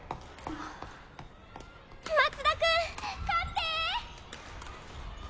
松田君勝って！